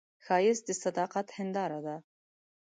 ښایست د صداقت هنداره ده